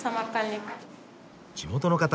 地元の方。